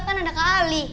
kan ada kak ali